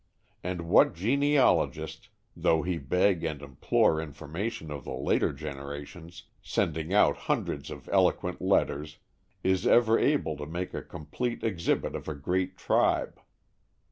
And what genealogist, though he beg and implore information of the later generations, sending out hundreds of eloquent letters, is ever able to make a complete exhibit of a great tribe?